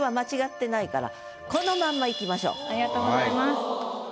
でもありがとうございます。